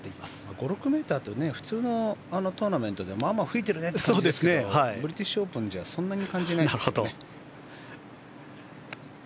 ５６メーターというのは普通のトーナメントだとまあまあ吹いてるねって感じですがブリティッシュオープンだとそんなに感じないんだけどね。